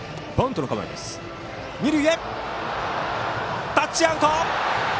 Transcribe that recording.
二塁、タッチアウト。